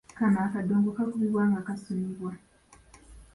Kano akadongo kakubibwa nga kasunibwa.